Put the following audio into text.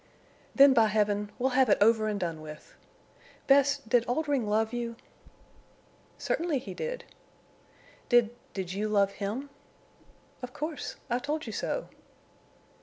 "Then by Heaven! we'll have it over and done with!... Bess—did Oldring love you?" "Certainly he did." "Did—did you love him?" "Of course. I told you so."